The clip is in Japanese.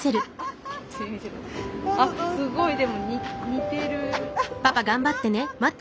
あっすごいでも似てる。